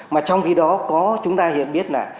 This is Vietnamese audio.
mà trong khi đó có chúng ta hiện biết là